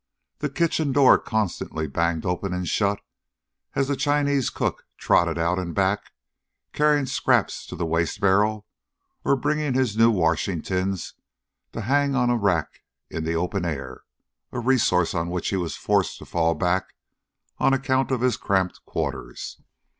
The kitchen door constantly banged open and shut, as the Chinese cook trotted out and back, carrying scraps to the waste barrel, or bringing his new washing tins to hang on a rack in the open air, a resource on which he was forced to fall back on account of his cramped quarters.